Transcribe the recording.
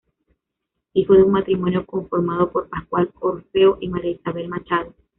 Hijo de un matrimonio conformado por Pascual Orfeo y María Isabel Machado.